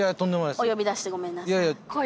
お呼び出してごめんなさい